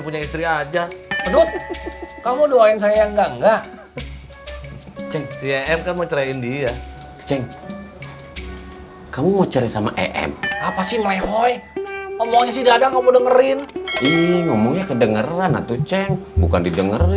pada tujuh bulan nanti